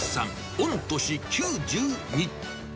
御年９２。